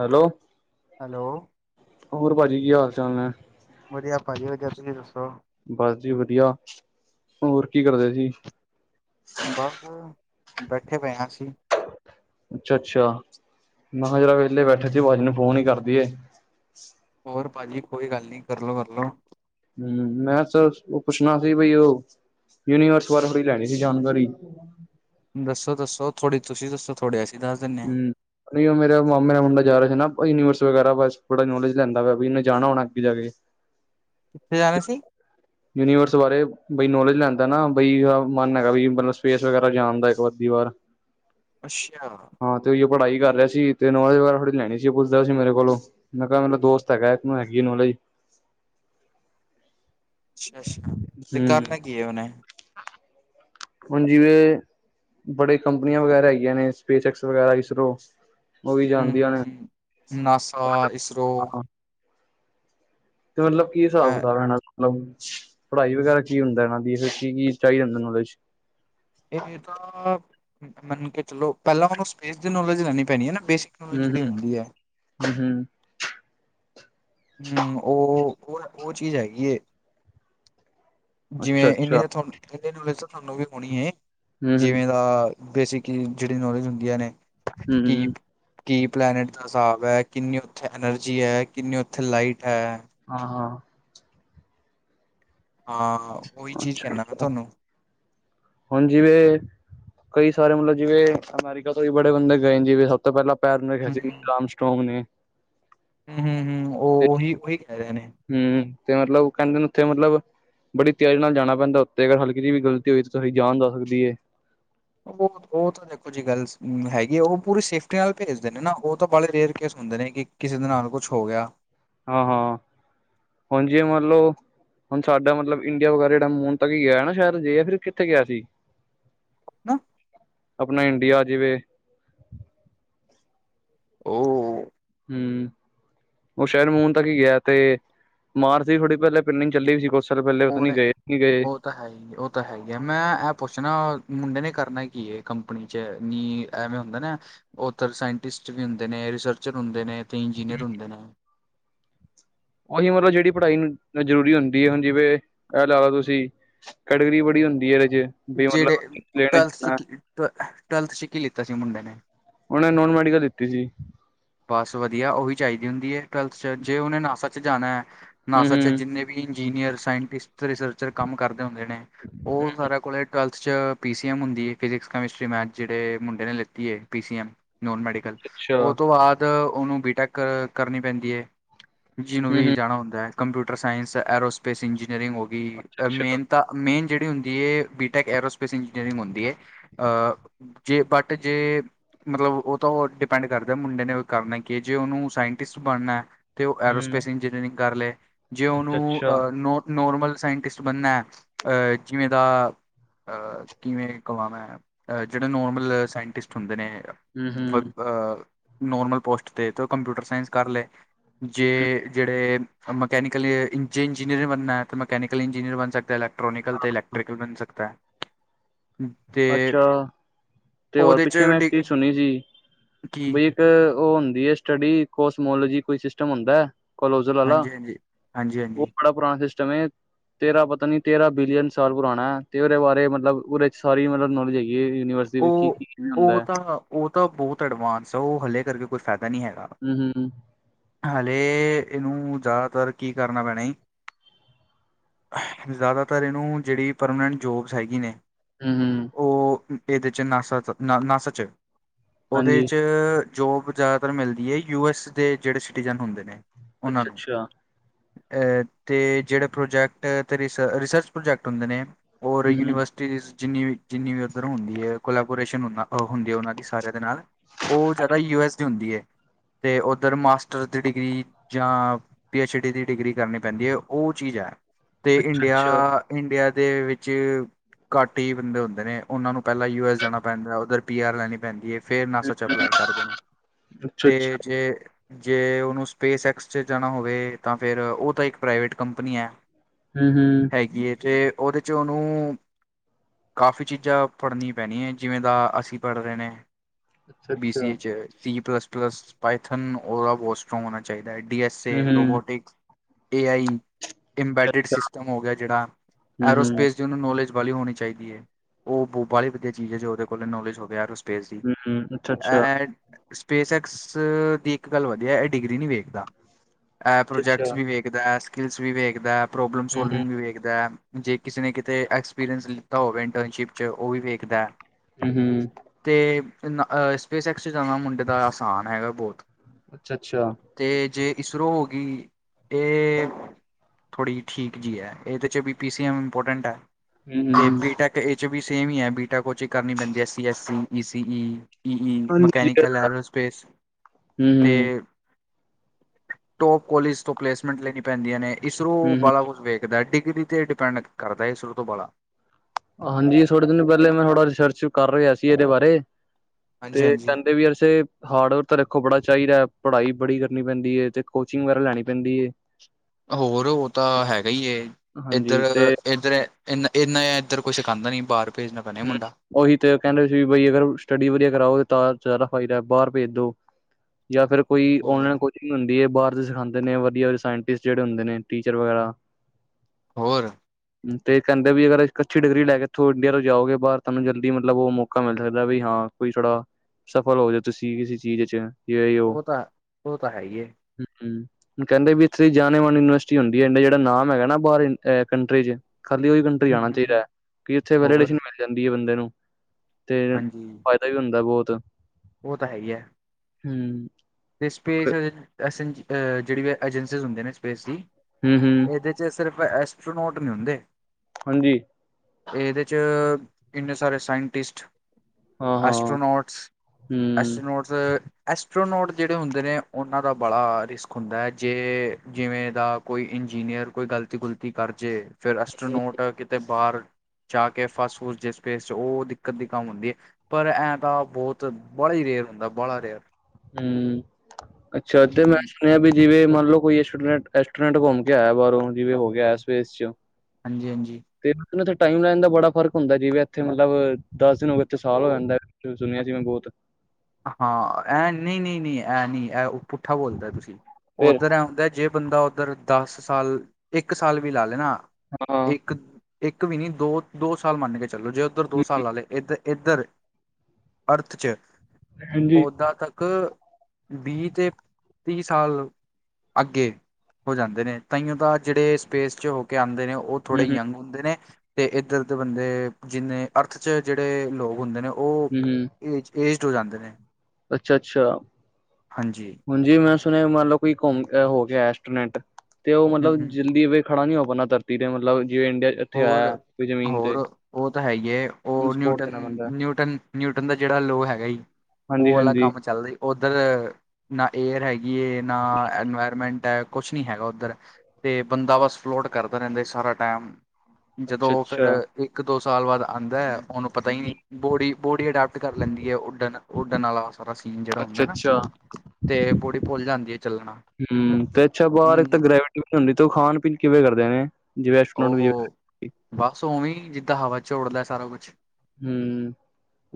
Hello. Hello, ਹੋਰ ਭਾਜੀ ਕੀ ਹਾਲ ਚਾਲ ਨੇ। ਵਧੀਆ ਭਾਜੀ ਵਧੀਆ ਤੁਸੀਂ ਦੱਸੋ। ਬਸ ਜੀ ਵਧੀਆ ਹੋਰ ਕੀ ਕਰਦੇ ਸੀ। ਵਾਹ ਬੈਠੇ ਪਏ ਅਸੀਂ। ਅੱਛਾ ਅੱਛਾ ਮਹਾ ਚੱਲ ਵਿਹਲੇ ਬੈਠੇ ਸੀ ਭਾਜੀ ਨੂੰ ਫੋਨ ਹੀ ਕਰ ਦਈਏ। ਹੋਰ ਭਾਜੀ ਕੋਈ ਗੱਲ ਨੀ ਕਰਲੋ ਕਰਲੋ। ਹੂੰ, ਮੈਂ ਤਾਂ ਉਹ ਪੁੱਛਣਾ ਸੀ ਬਈ ਉਹ ਯੂਨੀਵਰਸ ਬਾਰੇ ਥੋੜੀ ਲੈਣੀ ਸੀ ਜਾਣਕਾਰੀ। ਦੱਸੋ ਦੱਸੋ, ਥੋੜੀ ਤੁਸੀਂ ਦੱਸੋ ਤੁਹਾਡੇ ਅਸੀਂ ਦੱਸ ਦੀਨੇ ਆ। ਹਮ ਨਹੀਂ ਉਹ ਮੇਰਾ ਮਾਮੇ ਦਾ ਮੁੰਡਾ ਜਾ ਰਿਹਾ ਸੀ ਨਾ ਯੂਨੀਵਰਸ ਵਗੈਰਾ ਬਸ ਥੋੜਾ ਨੋਲੇਜ ਲੈਂਦਾ ਵਿਆ ਵੀ ਇਹਨੇ ਜਾਣਾ ਹੋਣਾ ਅੱਗੇ ਜਾ ਕੇ। ਕਿੱਥੇ ਜਾਣੇ ਸੀ? ਯੂਨੀਵਰਸ ਬਾਰੇ ਬਈ ਨੌਲੇਜ ਲੈਂਦਾ ਨਾ ਬਈ ਮਨ ਹੈਗਾ ਵੀ ਮਤਲਬ ਸਪੇਸ ਵਗੈਰਾ ਜਾਣ ਦਾ ਇੱਕ ਅੱਧੀ ਵਾਰ। [inaudible] ਅੱਸ਼ਾ, ਹਾਂ, ਤੇ ਉਹੀ ਪੜ੍ਹਾਈ ਕਰ ਰਿਹਾ ਸੀ ਤੇ ਨੋਲੇਜ ਥੋੜੀ ਲੈਣੀ ਸੀ ਉਹ ਪੁੱਛਦਾ ਸੀ ਮਰੇ ਕੋਲੋਂ। ਮੈਂ ਕਿਹਾ ਮੇਰਾ ਦੋਸਤ ਹੈਗਾ ਇੱਕ ਓਨੂੰ ਹੈਗੀ ਨੋਲੇਜ। ਅੱਛਾ ਅੱਛਾ, ਤੇ ਹਮ ਕਰਨਾ ਕੀ ਐ ਉਹਨੇ। ਹੁਣ ਜਿਵੇਂ ਬੜੇ ਕੰਪਨੀਆਂ ਵਗੈਰਾ ਹੈਗੀਆਂ ਨੇ ਸਪੇਸ ਐਕਸ ਵਗੈਰਾ ਇਸਰੋ। ਉਹ ਵੀ ਹਮ ਜਾਂਦੀਆਂ ਨੇ। ਨਾਸਾ, ਇਸਰੋ ਹਾਂ ਤੇ ਮਤਲਬ ਕੀ ਹਿਸਾਬ ਕਿਤਾਬ ਇਹ ਰਹਿਣਾ। ਮਤਲਬ ਪੜ੍ਹਾਈ ਵਗੈਰਾ ਕੀ ਹੁੰਦਾ ਇਹਨਾਂ ਦੀ ਕੀ ਕੀ ਚਾਹੀਦਾ ਹੁੰਦਾ ਨੌਲੇਜ। ਇਹ ਤਾਂ ਮੰਨ ਕੇ ਚਲੋ ਪਹਿਲਾਂ ਉਹਨੂੰ ਸਪੇਸ ਦੀ ਨੌਲੇਜ ਲੈਣੀ ਪੈਣੀ ਐ ਨਾ ਬੇਸਿਕ। ਨੌਲੇਜ ਹੂੰ, ਜਿਹੜੀ ਹੂੰ, ਹੁੰਦੀ ਹੈ ਹੂੰ, ਹੂੰ। ਹੂੰ ਉਹ, ਉਹ, ਉਹ ਚੀਜ਼ ਹੈਗੀ ਏ ਅੱਛਾ ਜਿਵੇਂ ਇਨੇ ਅੱਛਾ ਤਾਂ ਇਨੇ ਨੌਲੇਜ ਤਾਂ ਤੁਹਾਨੂੰ ਵੀ ਹੋਣੀ ਐ ਹਮ ਹਮ ਜਿਵੇਂ ਦਾ ਬੇਸਿਕ ਜਿਹੜੀ ਨੌਲੇਜ ਹੁੰਦੀਆਂ ਨੇ ਹਮ ਕਿ ਹਮ ਕੀ ਪਲੈਨਟ ਦਾ ਹਿਸਾਬ ਐ, ਕਿੰਨੀ ਉੱਥੇ ਐਨਰਜੀ ਹੈ, ਕਿੰਨੀ ਉੱਥੇ ਲਾਈਟ ਹੈ। ਹਾਂ, ਹਾਂ। ਹਾਂ। ਉਹੀ ਚੀਜ਼ ਅੱਛਾ, ਕਹਿੰਦਾ ਮੈਂ ਅੱਛਾ ਤੁਹਾਨੂੰ ਹੁਣ ਜਿਵੇ ਕਈ ਸਾਰੇ ਮਤਲਬ ਜਿਵੇਂ ਅਮੈਰੀਕਾ ਤੋਂ ਵੀ ਬੜੇ ਬੰਦੇ ਗਏ ਨੇ ਜਿਵੇਂ ਸਭ ਤਾਂ ਪਹਿਲਾਂ ਪੈਰ ਰਖਿਆ ਹਮ ਸੀ ਆਮ ਸਟਰ੍ਰੋਂਗ ਨੇ ਹੂੰ, ਹੂੰ, ਹੂੰ ਉਹ ਉਹੀ ਉਹੀ ਕਹਿ ਰਹੇ ਨੇ। ਹੂੰ ਤੇ ਮਤਲਬ ਕਹਿੰਦੇ ਨੇ ਉੱਥੇ ਮਤਲਬ ਤੇ ਓਹਦੇ ਨਾਲ ਜਾਣਾ ਪੈਂਦਾ ਉੱਤੇ ਅਗਰ ਹਲਕੀ ਜੀ ਵੀ ਗਲਤੀ ਹੋਈ ਤਾਂ ਤੁਸੀਂ ਜਾਣ ਜਾ ਸਕਦੀ ਏ। ਉਹ ਉਹ ਤਾਂ ਦੇਖੋ ਜੀ ਗੱਲ ਹੈਗੀ ਐ ਉਹ ਪੂਰੀ ਸੇਫਟੀ ਨਾਲ ਭੇਜਦੇ ਨੇ ਨਾ ਉਹ ਤਾਂ ਬੇ ਰੇਅਰ ਕੇਸ ਹੁੰਦੇ ਨੇ ਕਿ ਕਿਸੇ ਦੇ ਨਾਲ ਕੁਛ ਹੋ ਗਿਆ। ਹਾਂ ਹਾਂ, ਹੁਣ ਜੇ ਮੰਨ ਲਓ। ਹੁਣ ਸਾਡਾ ਮਤਲਬ ਇੰਡੀਆ ਵਗੈਰਾ ਜਿਹੜਾ ਮੂਨ ਤੱਕ ਹੀ ਗਿਆ ਨਾ ਸ਼ਾਇਦ ਜੇ ਫਿਰ ਕਿੱਥੇ ਗਿਆ ਸੀ। ਹੈਂ [unintelligible] [unintelligible] ਆਪਣਾ ਇੰਡੀਆ ਜਿਵੇਂ ਉਹ। ਹੂੰ ਉਹ ਸ਼ਹਿਰ ਮੂਨ ਤੱਕ ਹੀ ਗਿਆ ਤੇ ਮਾਰਚ ਦੀ ਥੋੜੀ ਪਹਿਲੇ ਪਿੰਨਿੰਗ ਚੱਲੀ ਵੀ ਸੀ ਕੁਛ ਚਲੋ ਪਹਿਲੇ ਓਦੇ ਨੀ ਉਹਨੇ ਗਏ, ਨੀ ਗਏ। ਉਹ ਤੇ ਹੈ ਹੀ ਉਹ ਤਾਂ ਹੈ ਹੀ ਹੈ, ਮੈਂ ਇਹ ਪੁੱਛਣਾ ਮੁੰਡੇ ਨੇ ਕਰਨਾ ਕੀ ਇਹ ਕੰਪਨੀ ਚ ਨੀ ਐਵੇਂ ਹੁੰਦਾ ਨਾ ਉਧਰ ਸਾਇੰਟਿਸਟ ਵੀ ਹੁੰਦੇ ਨੇ, ਰਿਸਰਚਰ ਹੁੰਦੇ ਨੇ, ਤੇ ਇੰਜੀਨੀਅਰ ਹੁੰਦੇ ਨੇ। ਉਹੀ ਮਤਲਬ ਜਿਹੜੀ ਪੜ੍ਹਾਈ ਨੂੰ ਜ਼ਰੂਰੀ ਹੁੰਦੀ ਹੈ ਹੁਣ ਜਿਵੇਂ ਇਹ ਲਾ ਲਓ ਤੁਸੀਂ ਕੜਕਰੀ ਬੜੀ ਹੁੰਦੀ ਹੈ ਇਹਦੇ ਚ ਵੀ ਜਿਹੜੇ ਟਵੈਲਥਸ ਮਤਲਬ ਕੀ ਟਵੈਲਥਸ ਕੀ ਲਿੱਤਾ ਸੀ ਮੁੰਡੇ ਨੇ? ਉਹਨੇ ਨੋਨ ਮੈਡੀਕਲ ਲਿਤੀ ਸੀ। ਬਸ ਵਧੀਆ ਉਹੀ ਚਾਹੀਦੀ ਹੁੰਦੀ ਹੈ ਟਵੈਲਥ ਚ ਜੇ ਉਹਨੇ ਨਾਸਾ ਚ ਜਾਣਾ ਹੈ ਨਾਸਾ ਚ ਹੂੰ-ਹੂੰ ਜਿੰਨੇ ਇੰਜੀਨੀਅਰ, ਸਾਇੰਟਿਸਟ, ਰਿਸਰਚਰ ਕੰਮ ਕਰਦੇ ਹੁੰਦੇ ਨੇ ਉਹ ਸਾਰਿਆ ਕੋਲ ਟਵੈਲਥ ਚ ' ਪੀ ਸੀਐਮ ਹੁੰਦੀ ਹੈ, ਫਿਜਿਕਸ ਕੈਮਿਸਟਰੀ ਮੈਥ ਜਿਹੜੇ ਮੁੰਡੇ ਨੇ ਲਿੱਤੀ ਹੈ ਪੀ ਸੀਐੱਮ ਨੋਨ ਮੈਡੀਕਲ ਅੱਛਾ ਉਹ ਤੋਂ ਬਾਅਦ ਉਹਨੂੰ ਬੀਟੈਕ ਕਰਨੀ ਪੈਂਦੀ ਹੈ ਜਿਹਨੂੰ ਵੀ ਹੂੰ-ਹੂੰ ਜਾਣਾ ਹੁੰਦਾ। ਕੰਪਿਊਟਰ ਸਾਇੰਸ, ਐਰੋਸਪੇਸ ਇੰਜੀਨੀਅਰਿੰਗ ਹੋ ਗਈ ਅੱਛਾ-ਅੱਛਾ ਮੇਨ ਤਾਂ ਮੇਨ ਜਿਹੜੀ ਹੁੰਦੀ ਏ ਬੀਟੈਕ ਐਏਰੋਸਪੇਸ ਇੰਜੀਨਅਰਿੰਗ ਹੁੰਦੀ ਏ ਅ ਜੇ ਬਟ ਜੇ ਮਤਲਬ ਉਹ ਤਾਂ ਉਹ ਡਿਪੈਂਡ ਕਰਦਾ। ਮੁੰਡੇ ਨੇ ਕਰਨਾ ਕਿ ਏ ਜੇ ਉਹਨੂੰ ਸਾਇੰਟਿਸਟ ਬਣਨਾ ਤੇ ਉਹ ਹੂੰ ਐਰੋਸਪੇਸ ਇੰਜੀਨੀਅਰਿੰਗ ਕਰ ਲਏ। ਜੇ ਉਹਨੂੰ ਅੱਛਾ-ਅੱਛਾ ਅਹ ਨੋ ਨੋਰਮਲ ਸਾਇੰਟਿਸਟ ਬਣਨਾ ਅਹ ਜਿਵੇਂ ਦਾ ਕਿਵੇਂ ਕਵਾ ਮੈਂ ਜਿਹੜੇ ਨੋਰਮਲ ਸਾਇੰਟਿਸਟ ਹੁੰਦੇ ਨੇ ਹੂੰ-ਹੂੰ ਅਹ ਨੋਰਮਲ ਪੋਸਟ ਤੇ ਤੇ ਕੰਪਿਊਟਰ ਸਾਇੰਸ ਕਰ ਲਏ। ਜੇ ਜਿਹੜੇ ਮਕੈਨੀਕਲ ਇੰ ਇੰਜੀਨੀਅਰ ਬਣਨਾ ਹੈ ਤਾਂ ਮਕੈਨੀਕਲ ਇੰਜੀਨੀਅਰ ਬਣ ਸਕਦਾ ਅਲੱਗ ਟੈਕਟ੍ਰੋਨੀਕਲ ਅੱਛਾ ਅਤੇ ਅੱਛਾ ਹਮ ਹਮ ਇਲੈਕਟ੍ਰੀਕਲ ਬਣ ਸਕਦਾ ਹੈ ਅਤੇ ਅੱਛਾ ਤੇ ਹੋਰ ਪਿੱਛੇ ਮੈਂ ਇੱਕ ਚੀਜ਼ ਸੁਣੀ ਸੀ, ਕੀ ਬਈ ਇੱਕ ਇੱਕ ਉਹ ਹੁੰਦੀ ਹੈ ਸਟੱਡੀ ਕੋਸਮੋਲੋਜੀ ਕੋਈ ਸਿਸਟਮ ਹੁੰਦਾ। ਕੋਲੋਜਲ ਵਾਲਾ, ਹਾਂਜੀ ਹਾਂਜੀ ਹਾਂਜੀ ਉਹ ਹਾਂਜੀ ਬੜਾ ਪੁਰਾਣਾ ਸਿਸਟਮ ਏ ਤੇਰਾ ਪਤਾ ਨੀ ਤੇਰਾਂ ਬਿਲੀਅਨ ਸਾਲ ਪੁਰਾਣਾ ਹੈ ਤੇ ਉਹਦੇ ਬਾਰੇ ਮਤਲਬ ਉਹਦੇ ਸਾਰੀ ਮਤਲਬ ਨੌਲੇਜ ਹੈਗੀ ਏ, ਯੂਨੀਵਰਸ ਦੀ ਵੀ ਕੀ ਉਹ, ਕੀ ਕਿਵੇਂ ਉਹ ਹੁੰਦਾ ਹੈ ਤਾਂ, ਉਹ ਤਾਂ ਬਹੁਤ ਐਡਵਾਂਸ ਆ ਉਹ ਹਲੇੇ ਕਰਕੇ ਕੋਈ ਫਾਇਦਾ ਨਹੀਂ ਹੈਗਾ। ਹੂੰ, ਹੂੰ ਹਾਲੇ ਇਹਨੂੰ ਜ਼ਿਆਦਾਤਰ ਕੀ ਕਰਨਾ ਪੈਣਾ ਜੀ ਜ਼ਿਆਦਾਤਰ ਇਹਨੂੰ ਜਿਹੜੀ ਪਰਮਾਨੈਂਟ ਜੋਬਸ ਹੈਗੀ ਨੇ ਹਮ ਹਮ ਉਹ ਇਹਦੇ 'ਚ ਨ ਨਸਚ ਉਹਦੇ ਹਾਂਜੀ 'ਚ ਜੋਬ ਜ਼ਿਆਦਾਤਰ ਮਿਲਦੀ ਹੈ ਯੂ ਐੱਸ ਦੇ ਜਿਹੜੇ ਸਿਟੀਜ਼ਨ ਹੁੰਦੇ ਨੇ ਉਹਨਾਂ ਅੱਛਾ ਨੂੰ ਅੱਛਾ ਅਤੇ ਜੇਹੜੇ ਪ੍ਰਾੋਜੈਕਟ, ਤੇ ਰਿਸਰਚ ਪ੍ਰਾਜੈਕਟ ਹੁੰਦੇ ਨੇ। ਹੋਰ ਹੂੰ ਹੂੰ ਯੂਨੀਵਰਸਿਟੀਜ਼ ਜਿੰਨੀ ਵੀ, ਜਿਨੀ ਵੀ ਉੱਧਰ ਹੁੰਦੀ ਹੈ, ਕੋਲਬੋਰੇਸ਼ਨ ਹੁੰ ਹੁੰਦੀ ਐ ਉਹਨਾਂ ਦੀ ਸਾਰਿਆਂ ਦੇ ਨਾਲ ਉਹ ਜਾਦਾ ਯੂ ਐਸ ਦੀ ਹੁੰਦੀ ਹੈ, ਤੇ ਉਧਰ ਮਾਸਟਰ ਦੀ ਡਿਗਰੀ, ਜਾਂ ਪੀ ਐਚ ਡੀ ਦੀ ਡਿਗਰੀ ਕਰਨੀ ਪੈਂਦੀ ਹੈ ਉਹ ਚੀਜ਼ ਹੈ ਤੇ ਅੱਛਾ ਇੰਡੀਆ, ਅੱਛਾ ਇੰਡੀਆ ਦੇ ਵਿੱਚ ਘੱਟ ਹੀ ਬੰਦੇ ਹੁੰਦੇ ਨੇ ਉਹਨਾਂ ਨੂੰ ਪਹਿਲਾਂ ਯੂ ਐਸ ਜਾਣਾ ਪੈਂਦਾ ਉੱਧਰ ਪੀ ਆਰ ਲੈਣੀ ਪੈਂਦੀ ਹੈ ਫੇਰ ਨਾਸਾ ਚ ਅਪਲਾਈ ਕਰਦੇ ਨੇ, ਅੱਛਾ ਤੇ ਅੱਛਾ ਜੇ ਜੇ ਉਹਨੂੰ ਸਪੇਸ ਐਕਸ 'ਚ ਜਾਣਾ ਹੋਵੇ ਤਾਂ ਫਿਰ ਉਹ ਤਾਂ ਇੱਕ ਪ੍ਰਾਈਵੇਟ ਕੰਪਨੀ ਹੈ। ਹੂੰ, ਹੂੰ ਹੈਗੀ ਹੈ ਤੇ ਉਹਦੇ ਚ ਉਹਨੂੰ ਕਾਫੀ ਚੀਜ਼ਾਂ ਪੜ੍ਹਨੀਆਂ ਪੈਣੀ ਏ ਜਿਵੇਂ ਦਾ ਅਸੀਂ ਪੜ੍ਹ ਰਹੇ ਨੇ ਅੱਛਾ ਬੀ ਅੱਛਾ ਸੀ ਏ ਚ ਸੀ ਪਲਸ, ਪਲਸ ਪਾੲਥਨ ਔਰਾ ਹੋਣਾ ਚਾਹੀਦਾ ਹੈ, ਡੀ ਐੱਸ ਏ ਹੂੰ ਹੂੰ ਰੋਬੋਟਿਕ ਏ ਆਈ ਅੱਛਾ ਇੰਬੈਡਿਡ ਅੱਛਾ ਸਿਸਟਮ ਹੋ ਗਿਆ ਜਿਹੜਾ, ਹੂੰ ਹੂੰ ਐਰੋਸਪੇਸ ਦੀ ਉਹਨੂੰ ਨੌਲੇਜ ਵਾਲੀ ਹੋਣੀ ਚਾਹੀਦੀ ਹੈ। ਉਹ ਬ ਬਾਲੀ ਵਧੀਆ ਚੀਜ਼ ਹੈ, ਜੋ ਉਹਦੇ ਕੋਲ ਨੌਲੇਜ ਹੋ ਗਯਾ, ਐਰੋ ਸਪੇਸ ਦੀ, ਹੂੰ ਹੂੰ ਅੱਛਾ ਅੱਛਾ ਐਂਡ ਸਪੇਸ ਐਕਸ ਦੀ ਇੱਕ ਗੱਲ ਵਧੀਆ ਐ, ਇਹ ਡਿਗਰੀ ਨਹੀਂ ਵੇਖਦਾ, ਇਹ ਅੱਛਾ ਪ੍ਰੋਜੈਕਟਸ ਅੱਛਾ ਵੀ ਵੇਖ ਵੇਖਦਾ ਐ, ਸ੍ਕਿਲਸ ਵੀ ਵੇਖਦਾ, ਪ੍ਰੋਬਲਮ ਹੂੰ ਸੋਲਵਿੰਗ ਵੀ ਵੇਖਦਾ ਜੇ ਕਿਸੇ ਨੇ ਕਿਤੇ ਐਕਸਪੀਰੀਅੰਸ ਲਿੱਤਾ ਹੋਵੇ ਇੰਟਰਸ਼ਿਪ ਚ, ਉਹ ਵੀ ਵੇਖਦਾ ਹੈ। ਹੂ ਹੂ ਤੇ ਸਪੇਸ ਐਕਸ 'ਚ ਜਾਣਾ ਮੁੰਡੇ ਦਾ, ਆਸਾਨ ਹੈਗਾ ਬਹੁਤ। ਅੱਛਾ ਅੱਛਾ ਤੇ ਜੇ ਇਸਰੋ ਹੋ ਗਈ, ਇਹ ਥੋੜ੍ਹੀ ਠੀਕ ਜੀ ਹੈ, ਏਦੇ ਚ ਵੀ, ਪੀ ਸੀ ਐੱਮ ਇੰਪੋਰਟੈਂਟ ਹੈ। ਹੂੰ ਤੇ ਹੂੰ ਬੀ ਟੈਕ ਇਹ ਵੀ ਸੇਮ ਹੀ ਹੈ, ਬੀ ਟੈਕ ਔਦੇ ਹੀ ਕਰਨੀ ਪੈਂਦੀ ਹੈ, ਸੀ ਐੱਸ ਈ, ਈ ਸੀ ਈ। ਈ ਹੀ, ਹਾਂਜੀ ਮਕੈਨੀਕਲ ਐਰੋਸਪੇਸ, ਹੂੰ-ਹੂੰ, ਤੇ ਟੋਪ ਕੋਲੇਜ ਤੋਂ ਪਲੇਸਮੈਂਟ ਲੈਣੀ ਪੈਂਦੀਆਂ ਨੇ, ਇਸਰੋ ਹੂੰ-ਹੂੰ, ਬਾਲਾਕੋਟ ਵੇ ਬੀ ਟੈਕ ਡਿਗਰੀ ਤੇ ਡਿਪੈਂਡ ਕਰਦਾ, ਇਸਰੋ ਤੋਂ ਬ ਹਾਂਜੀ ਥੋੜੇ ਦਿਨ ਪਹਿਲੇ, ਮੈਂ ਥੋੜ੍ਹਾ ਰਿਸਰਚ ਕਰ ਰਿਹਾ ਸੀ ਇਹਦੇ ਬਾਰੇ। ਹਾਂਜੀ ਤੇ ਹਾਂਜੀ ਕਹਿੰਦੇ ਵੀ ਅਸੀ ਹਾਰਡ ਵੱਰਕ ਤਾਂ ਵੇਖੋ ਬੜਾ ਚਾਹੀਦਾ ਹੈ, ਪੜ੍ਹਾਈ ਬੜੀ ਕਰਨੀ ਪੈਂਦੀ ਹੈ, ਤੇ ਕੋਚਿੰਗ ਵਗੈਰਾ ਲੈਣੀ ਪੈਂਦੀ ਹੈ। ਹੋਰ ਉਹ ਤਾਂ ਹੈਗਾ ਹੀ ਐ, ਇੱਧਰ ਹਾਂਜੀ ਤੇ ਇੱਧਰ ਇੰਨਾ ਇੰਨੇ ਇਧਰ ਕੋਈ ਸਿੱਖਾਂਦਾ ਨਹੀਂ, ਬਾਹਹ ਭੇਜਣਾ ਪੈਣਾ ਨਹੀਂ ਹੂੰ ਮੁੰਡਾ ਉਹੀ ਤੇ ਕਹਿੰਦੇ ਸੀ ਵੀ ਬਈ ਅਗਰ ਸਟੱਡੀ ਵਧੀਆਾਓ ਤਾਂ ਜ਼ਿਆਦਾ ਫਾਇਦਾ, ਬਾਹਰ ਭੇਜ ਦੋ। ਜਾਂ ਫਿਰ ਕੋਈ ਹੋਰ ਔਨਲਾਈਨ ਕੋਚੀ ਹੁੰਦੀ ਹੈ, ਬਾਹਰ ਦੇ ਸਿਖਾਂਦੇ ਨੇ ਵਧੀਆ ਜੇਹ ਸਾਇੰਟਿਸਟ ਜਿਹੜੇ ਹੁੰਦੇ ਨੇ, ਟੀਚਰ ਵਗੈਰਾ ਹੋਰ ਤੇ ਕਹਿੰਦੇ, ਵੀ ਅਗਰ ਅੱਛੀ ਡਿਗਰੀ ਲੈ ਕੇ, ਏਥੋਂ ਇੰਡੀਆ ਜਾਓਗੇ ਬਾਹਰ ਤੁਹਾਨੂੰ ਜਲਦੀ ਮਤਲਬ ਉਹ ਮੌਕਾ ਮਿਲ ਸਕਦਾ, ਵੀ ਹਾਂ ਕੋਈ ਥੋੜਾ ਸਫਲ ਹੋ ਜਾ ਤੁਸੀਂ, ਕਿਸੇ ਚੀਜ਼ ਚ ਜੇ ਉਹ ਔਹ ਤਾਂ, ਔਹ ਤਾਂ ਹੈ ਹੀ ਹੈ। [inaudible] ਕਹਿੰਦੇ ਵੀ ਇੱਥੇ ਜਾਣੇਮਾਨੀ ਯੂਨੀਵਰਸਿਟੀ ਹੁੰਦੀ ਹੈ ਇੰਡੀਆ ਜਿਹੜਾ ਨਾਮ ਹੈਗਾ ਨਾ, ਬਾਹਰ ਕੰਟਰੀ ਚ ਖਾਲੀ ਉਹੀ ਕੰਟਰੀ ਹੂੰ ਜਾਣਾ ਹੂੰ ਚਾਹੀਦਾ ਹੂੰ ਹੈ, ਕਿ ਇੱਥੇ ਹੋਰ ਵੈਲੀਡੇਸ਼ਨ ਮਿਲ ਜਾਂਦੀ ਹੈ ਬੰਦੇ ਨੂੰ, ਤੇ ਹਾਂਜੀ ਏ ਵੀ ਹੁੰਦਾ ਬਹੁਤ ਉਹ ਤਾਂ ਹੈ ਹੀ ਹੈ ਹੂੰ। ਸਪੇਸ ਜਿਹੜੀ ਅਜੰਸੀ ਹੁੰਦੀ ਨੇ ਸਪੇਸ ਦੀ, ਹੂੰ ਹੂੰ ਇਹਦੇ ਜੇ ਸਿਰਫ ਐਸਟੋਨੋਟ ਨਹੀਂ ਹੁੰਦੇ। ਹਾਂਜੀ। ਇਹਦੇ ਚ ਇੰਨੇ ਸਾਰੇ ਸਾਇੰਟਿਸਟ ਹਾਂ ਹਾਂ ਐਸਟ੍ਰੋਨੋਟਸ, ਹੂੰ ਐਸਟ੍ਰੋਨੋਟਸ, ਐਸਟ੍ਰੋਨੋਟ। ਜਿਹੜੇ ਹੁੰਦੇ ਨੇ ਉਹਨਾਂ ਦਾ ਬੜਾ ਰਿਸਕ ਹੁੰਦਾ ਹੈ। ਜੇ ਜਿਵੇਂ ਦਾ ਕੋਈ ਇੰਜੀਨੀਅਰ ਕੋਈ ਗ਼ਲਤੀ ਗੁਲਤੀ ਕਰ ਜੇ ਫਿਰ ਐਸਟਰਨੋਟ ਕਿਤੇ ਬਾਹਰ ਜਾ ਕੇ ਫਸ ਫੁਸ ਜਾਏ ਸਪੇਸ ਚ, ਔ ਦਿੱਕਤ ਦੀ ਕੰਮ ਹੁੰਦੀ ਹੈ। ਪਰ ਐਂ ਤਾਂ, ਬਹੁਤ ਬੜਾ ਹੀ ਰੇਅਰ ਹੁੰਦਾ ਬੜਾ ਰੇਅਰ। ਹੂੰ ਅੱਛਾ ਤੇ ਹਮ, ਮੈਂ ਐ ਵੀ ਜਿਵੇਂ ਮੰਨ ਲਓ ਕੋਈ ਐਸਟਰੋ ਐਸਟਰੋਂਨੌਟ ਘੁੰਮ ਕੇ ਆਇਆ ਬਾਹਰੋਂ, ਜਿਵੇਂ ਹੋ ਕੇ ਆਯਾ ਹੈ, ਸਪੇਸ ਚ ਹਾਂਜੀ ਹਾਂਜੀ ਤੇ ਇਥੇ ਟਾਈਮ ਲੈਣ ਦਾ ਬੜਾ ਫ਼ਰਕ ਹੁੰਦਾ, ਜਿਵੇ ਇੱਥੇ ਮਤਲਬ ਦਸ ਦਿਨ ਹੋ ਗਏ, ਉਥੇ ਸਾਲ ਹੋ ਉਹ ਜਾਂਦਾ। ਜੋ ਸੁਣਿਆ ਸੀ, ਮੈਂ ਬਹੁਤ ਹਾਂ ਐਂ ਨਹੀਂ ਨਹੀਂ ਨਹੀਂ ਐਂ ਨਹੀਂ, ਐ ਪੁੱਠਾ ਬੋਲ ਤੈ ਤੁਸੀਂ, ਫਿਰ ਉੱਧਰ ਐ ਹੋਂਦਾ ਐ, ਜੇ ਬੰਦਾ ਉੱਧਰ ਦਸ ਸਾਲ, ਇੱਕ ਸਾਲ ਵੀ ਲਾ ਲੈ ਨਾ, ਹਾਂ ਇੱਕ ਇੱਕ ਵੀ ਨੀ, ਦੋ ਦੋ ਸਾਲ ਮੰਨ ਕੇ ਚਲੋ, ਜੇ ਉੱਧਰ ਦੋ ਸਾਲ ਵਾਲੇ ਇਧਰ। ਇੱਧਰ ਅਰਥ ਚ ਹਾਂਜੀ ਉਦਾਂ ਤੱਕ ਵੀਹ ਤੇ ਤੀਹ ਸਾਲ ਅੱਗੇ ਹੋ ਜਾਂਦੇ ਨੇ ਤਾਇਓ ਤਾਂ ਜਿਹੜੇ ਸਪੇਸ ਚ ਹੋ ਕੇ ਆਂਉਦੇ ਨੇ ਉਹ ਥੋੜੇ ਹੂੰ ਹੂੰ ਯੰਗ ਹੁੰਦੇ ਨੇ, ਤੇ ਇੱਧਰ ਦੇ ਬੰਦੇ ਜਿੰਨੇ ਅਰਥ ਚ ਜਿਹੜੇ ਲੋਕ ਹੁੰਦੇ ਨੇ। ਉਹ ਹੂੰ, ਹੂੰ। ਏਜ ਏਜਡ ਹੋ ਜਾਂਦੇ ਨੇ। ਅੱਛਾ, ਅੱਛਾ। ਹਾਂਜੀ। ਹਾਂਜੀ ਮੈਂ ਸੁਣਿਆ ਮੰਨਲਓ ਕੋਈ ਘੁੰਮ ਹੋ ਗਿਆ ਐਸਟੋਰੈਂਟ ਤੇ ਉਹ ਹੂੰ ਮਤਲਬ ਹੂੰ ਜਲਦੀ- ਖੜਾ ਨੀ ਹੋ ਪਾਂਦਾ ਧਰਤੀ ਤੇ ਮਤਲਬ ਜਿਵੇਂ ਇੰਡੀਆ ਇੱਥੇ ਹੋਰ ਆਇਆ ਕੋਈ ਜ਼ਮੀਨ ਤੇ। ਹੋਰ ਉਹ ਤਾਂ ਹੈ ਈ ਏ। ਉਹਨੂੰ ਉਹ ਸਪੋਰਟ ਦੇਣਾ ਨਿਊਟਨ, ਪੈਂਦਾ ਨਿਊਟਨ, ਨਿਊਟਨ ਦਾ ਜਿਹੜਾ ਲੋ ਹੈਗਾ। ਉਹ ਵਾਲਾ ਹਾਂਜੀ-ਹਾਂਜੀ, ਕੰਮ ਚੱਲਦਾ, ਉੱਧਰ ਨਾ ਏਅਰ ਹੈਗੀ ਨਾ ਇਨਵਾਇਰਮੈਂਟ ਐ। ਕੁਛ ਨਹੀਂ ਹੈਗਾ ਉੱਧਰ ਤੇ ਬੰਦਾ ਬਸ ਫਲੋਟ ਕਰਦਾ ਰਹਿੰਦਾ ਸਾਰਾ ਟੈਮ। ਜਦੋਂ ਉਹ ਫਿਰ ਅੱਛਾ-ਅੱਛਾ, ਇੱਕ ਦੋ ਸਾਲ ਬਾਅਦ ਆਉਂਦਾ ਉਹਨੂੰ ਪਤਾ ਈ ਨਹੀਂ। ਬੋਡੀ -ਬੋਡੀ ਅਡੈਪਟ ਕਰ ਲੈਂਦੀ ਹੈ ਉੱਡਣ- ਉੱਡਣ ਆਲਾ ਸਾਰਾ ਸੀਨ ਜਿਹੜਾ ਅੱਛਾ-ਅੱਛਾ, ਹੂੰ ਹੁੰਦਾ ਅੱਛਾ ਨਾ ਅੱਛਾ ਤੇ ਬੋੜੀ ਭੁੱਲ ਜਾਂਦੀ ਹੈ ਚੱਲਣਾ। ਹੂੰ। ਤੇ ਅੱਛਾ ਬਾਹਰ ਇੱਕ ਹਮ ਤਾਂ ਗ੍ਰੈਵਿਟੀ ਵੀ ਨ ਹੁੰਦੀ ਤੇ ਉਹ ਖਾਣ ਪੀਣ ਕਿਵੇਂ ਕਰਦੇ ਨੇ ਜਿਵੇਂ ਐਸਟੋੈਂਨ ਉਹ ਬਸ ਉਵੇਂ ਜਿੱਦਾਂ ਹਵਾ ਚ ਉੜਦਾ ਸਾਰਾ ਕੁਛ। ਹੂੰ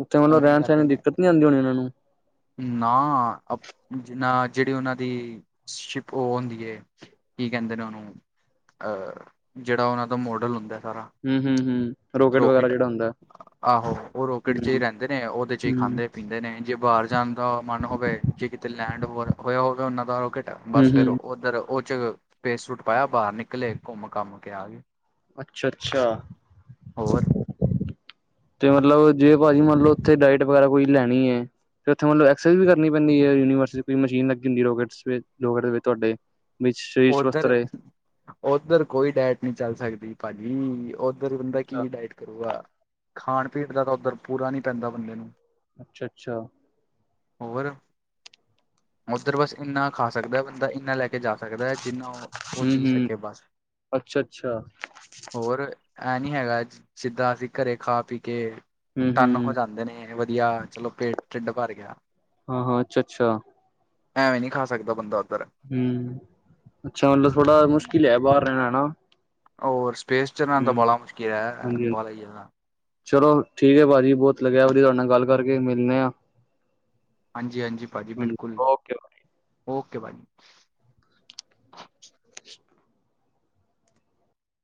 ਉੱਥੇ ਮਤਲਬ ਉਵੇਂ ਰਹਿਣ ਸਹਿਣ ਕਰਦੇ ਦੀ ਨੇ ਦਿੱਕਤ ਨੀ ਆਉਂਦੀ ਹੋਣੀ ਓਹਨਾਂ ਨੂੰ। ਨਾ ਜਿਹੜੀ ਉਹਨਾਂ ਦੀ ਸ਼ਿਪ ਉਹ ਹੁੰਦੀ ਏ। ਕੀ ਕਹਿੰਦੇ ਨੇ ਉਹਨੂੰ, ਅਹ ਜਿਹੜਾ ਉਹਨਾਂ ਦਾ ਮੋਡਲ ਹੁੰਦਾ ਸਾਰਾ। ਹੂੰ-ਹੂੰ-ਹੂੰ ਰੋਕੇਟ ਵਗੈਰਾ ਰੋਕਟ, ਜਿਹੜਾ ਹੁੰਦਾ ਆਹੋ ਉਹ ਰੋਕਟ ਚ ਹੀ ਰਹਿੰਦੇ ਨੇ ਉਹਦੇ ਚ ਹੀ ਹੂੰ-ਹੂੰ, ਖਾਂਦੇ। ਪੀਂਦੇ ਨੇ ਜੇ ਬਾਹਰ ਜਾਣ ਦਾ ਮਨ ਹੋਵੇ ਜੇ ਕਿਤੇ ਲੈਂਡ ਹੋ ਹੋਇਆ ਹੋਵੇ ਉਹਨਾਂ ਦਾ ਰੋਕੇਟ ਬਸ ਫੇਰ ਹੂੰ-ਹੂੰ, ਓਧਰ ਉਹ ਚ ਸਪੇਸ ਸੂਟ ਪਾਇਆ ਬਾਹਰ ਨਿਕਲੇ ਘੁੰਮ ਘਮ ਕੇ ਆ ਗਏ। ਅੱਛਾ, ਅੱਛਾ। ਹੋਰ? ਤੇ ਮਤਲਬ ਜੇ ਭਾਜੀ ਮਤਲਬ ਉੱਥੇ ਡਾਇਟ ਵਗੈਰਾ ਕੋਈ ਲੈਣੀ ਏ। ਫਿਰ ਉੱਥੇ ਮਤਲਬ ਐਕਸਰੇ ਵੀ ਕਰਨੀ ਪੈਂਦੀ ਹੈ ਯੂਨੀਵਰਸ ਕੋਈ ਮਸ਼ੀਨ ਲੱਗੀ ਹੁੰਦੀ ਰੋਕਟ ਵਿੱਚ ਰੋਕਟ ਵਿੱਚ ਤੁਹਾਡੇ। ਵਿੱਚ ਸਰੀਰ ਸਵਸਥ ਉਧਰ, ਰਹੇ ਓਧਰ ਕੋਈ ਡੈਟ ਨਹੀਂ ਚੱਲ ਸਕਦੀ ਭਾਜੀ ਉਧ ਉੱਧਰ ਬੰਦਾ ਕੀ ਡਾਇਟ ਕਰੂਗਾ। ਖਾਣ ਪੀਣ ਦਾ ਤਾਂ ਉੱਧਰ ਪੂਰਾ ਨਹੀਂ ਪੈਂਦਾ ਬੰਦੇ ਨੂੰ। ਅੱਛਾ, ਅੱਛਾ। ਹੋਰ ਉੱਧਰ ਬਸ ਇੰਨਾ ਖਾ ਸਕਦਾ ਬੰਦਾ ਇੰਨਾ ਲੈ ਕੇ ਜਾ ਸਕਦਾ ਹੈ ਜਿੰਨਾ ਉਹ ਹਮ ਜੀਅ ਹਮ ਸਕੇ ਬਸ ਅੱਛਾ ਅੱਛਾ ਹੋਰ ਐ ਨੀ ਹੈਗਾ ਜਿੱਦਾਂ ਅਸੀਂ ਘਰੇ ਖਾ ਪੀ ਕੇ ਹਮ ਟਨ ਹੋ ਹਮ ਜਾਂਦੇ ਨੇ ਵਧੀਆ ਚਲੋ ਪੇਟ ਢਿੱਡ ਭਰ ਗਿਆ। ਹਾਂ, ਅੱਛਾ ਅੱਛਾ ਐਵੇਂ ਨਹੀਂ ਖਾ ਸਕਦਾ ਬੰਦਾ ਉੱਧਰ ਹੂੰ, ਚਲ ਥੋੜਾ ਮੁਸ਼ਕਿਲ ਏ ਬਾਹਰ ਰਹਿਣਾ ਹਨਾ। ਹੋਰ ਸਪੇਸ ਚੱਲਣਾ ਤਾਂ ਹਮ ਬੜਾ ਮੁਸ਼ਕਿਲ ਹੈ ਹਾਂਜੀ ਹਾਂਜੀ [unintelligible] ਹੀ। ਚਲੋ ਠੀਕ ਏ ਭਾਜੀ ਬਹੁਤ ਲੱਗਿਆ ਵਧੀਆ ਤੁਹਾਡੇ ਨਾਲ ਗੱਲ ਕਰਕੇ ਮਿਲਦੇ ਹਾਂ। ਹਾਂਜੀ ਹਾਂਜੀ, ਭਾਜੀ ਬਿਲਕੁਲ, ਓਕੇ ਓਕੇ ਭਾਜੀ।